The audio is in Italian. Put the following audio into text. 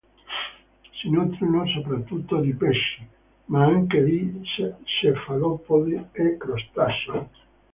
Si nutrono soprattutto di pesci, ma anche di cefalopodi e crostacei.